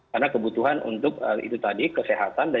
karena kebutuhan untuk itu tadi kesehatan dan keuntungan